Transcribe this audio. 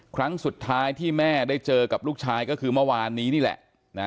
ครั้งสุดท้ายที่แม่ได้เจอกับลูกชายก็คือเมื่อวานนี้นี่แหละ